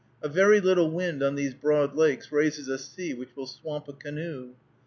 A very little wind on these broad lakes raises a sea which will swamp a canoe.